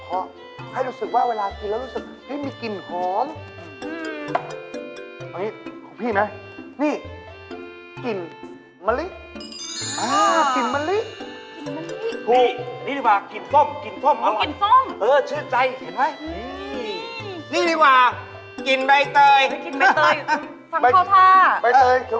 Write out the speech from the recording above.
ผมขอให้รู้สึกว่าเวลากินแล้วรู้ไหมที่มีกลิ่นหอมมือเรี๊บของพี่ไหมนี่กลิ่นอนอออ